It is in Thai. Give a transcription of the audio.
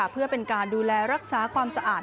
เพื่อเป็นการดูแลรักษาความสะอาด